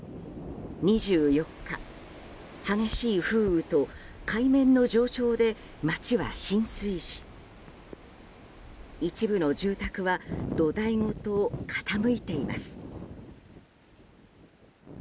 ２４日、激しい風雨と海面の上昇で街は浸水し一部の住宅は土台ごと傾いています。